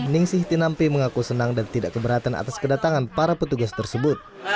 ning si tinampi mengaku senang dan tidak keberatan atas kedatangan para petugas tersebut